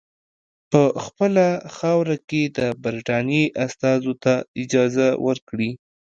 په خپله خاوره کې د برټانیې استازو ته اجازه ورکړي.